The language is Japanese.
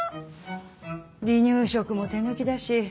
離乳食も手抜きだし。